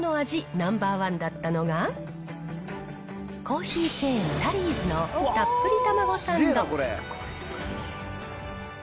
ナンバー１だったのが、コーヒーチェーン、タリーズのたっぷりタマゴサンド。